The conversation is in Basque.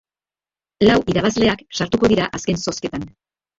Lau irabazleak sartuko dira azken zozketan.